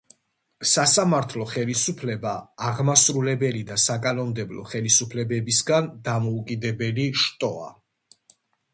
სასამართლო ხელისუფლება აღმასრულებელი და საკანონმდებლო ხელისუფლებებისგან დამოუკიდებელი შტოა.